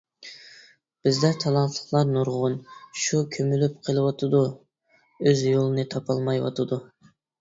بىزدە تالانتلىقلار نۇرغۇن، شۇ كۆمۈلۈپ قىلىۋاتىدۇ، ئۆز يولىنى تاپالمايۋاتىدۇ.